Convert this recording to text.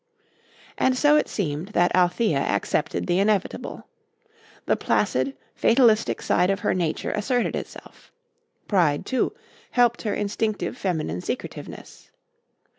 And so it seemed that Althea accepted the inevitable. The placid, fatalistic side of her nature asserted itself. Pride, too, helped her instinctive feminine secretiveness.